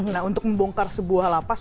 nah untuk membongkar sebuah lapas